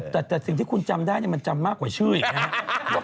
แต่สิ่งที่คุณจำได้มันจำมากกว่าชื่ออีกนะครับ